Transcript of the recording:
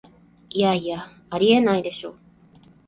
いやいや、ありえないでしょ